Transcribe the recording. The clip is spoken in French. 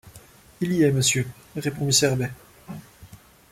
Il y est, monsieur, » répond miss Herbey.